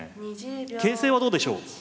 形勢はどうでしょう？